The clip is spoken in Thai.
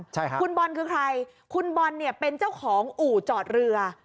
ใช่ค่ะคุณบอลคือใครคุณบอลเนี่ยเป็นเจ้าของอู่จอดเรือ